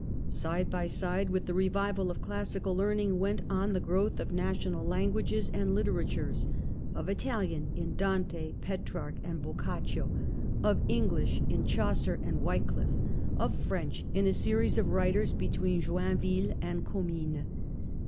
Side by side with the revival of classical learning went on the growth of national languages and litera tures : of Italian in Dante, Petrarch and Boc X THE END OF THE MIDDLE AGE caccio ; of English in Chaucer and Wyclif ; of French in a series of writers between Joinville and Commines.